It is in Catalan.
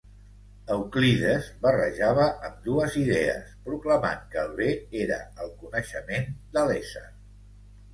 Euclides barrejava ambdues idees proclamant que el bé era el coneixement de l'ésser.